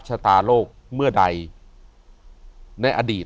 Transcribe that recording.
อยู่ที่แม่ศรีวิรัยิลครับ